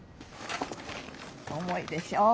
重いでしょ。